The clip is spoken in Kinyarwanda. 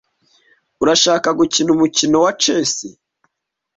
Urashaka gukina umukino wa chess?